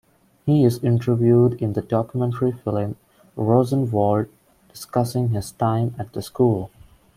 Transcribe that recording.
He is interviewed in the documentary film, Rosenwald, discussing his time at the school.